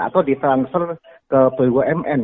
atau di transfer ke bumn